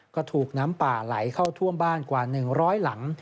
ก็ถูกน้ำป่าไหลเข้าท่วมบ้านกว่า๑๐๐หลัง